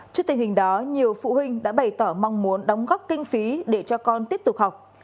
trước tình hình đó nhiều phụ huynh đã bày tỏ mong muốn đóng góp kinh phí để cho con tiếp tục học